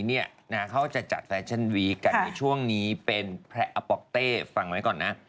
ทีนี้เขาจะจัดฟาชั่นหวีกกันช่วงนี้เป็นแฟระป๊อกเต้ฟังไหมก่อนนะ